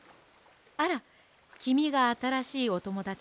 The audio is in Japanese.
あらきみがあたらしいおともだちの。